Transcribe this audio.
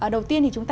đầu tiên thì chúng ta